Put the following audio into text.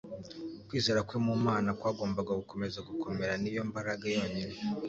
Kwizera kwe mu Mana kwagombaga gukomeza gukomera; ni yo mbaraga yonyine.